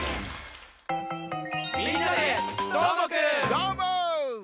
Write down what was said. どーも！